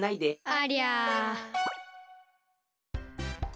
ありゃ！